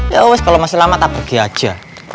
ya wis kalo masih lama tak pergi aja